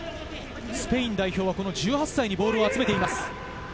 スペイン代表は１８歳にボールを集めています。